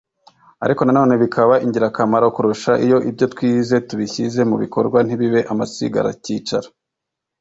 ariko na none bikaba ingirakamaro kurusha iyo ibyo twize tubishyize mu bikorwa ntibibe amasigaracyicaro